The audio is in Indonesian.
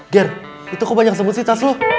ger itu kok banyak sembunyi tas lu